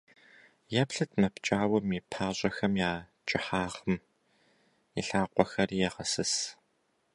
Еплъыт мы пкӏауэм и пащӏэхэм я кӏыхьагъым, и лъакъуэхэри егъэсыс.